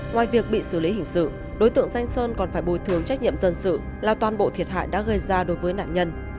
ngoài việc bị xử lý hình sự đối tượng danh sơn còn phải bồi thường trách nhiệm dân sự là toàn bộ thiệt hại đã gây ra đối với nạn nhân